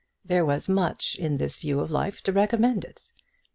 There was much in this view of life to recommend it.